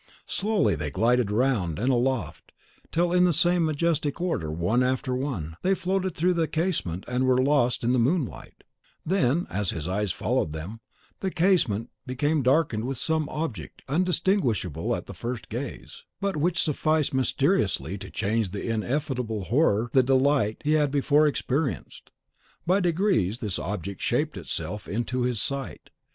Slowly they glided round and aloft, till, in the same majestic order, one after one, they floated through the casement and were lost in the moonlight; then, as his eyes followed them, the casement became darkened with some object undistinguishable at the first gaze, but which sufficed mysteriously to change into ineffable horror the delight he had before experienced. By degrees this object shaped itself to his sight.